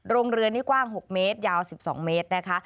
โรงเรือนี่กว้าง๖เมตรยาว๑๒เมตรนะคะ